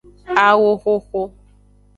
Awoxoxo.